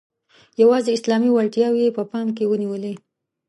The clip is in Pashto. یوازي اسلامي وړتیاوې یې په پام کې ونیولې.